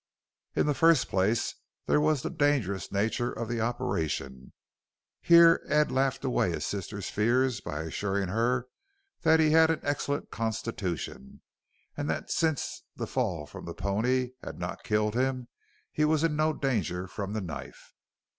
In the first place there was the dangerous nature of the operation. Here Ed laughed away his sister's fears by assuring her that he had an excellent constitution and that since the fall from the pony had not killed him he was in no danger from the knife.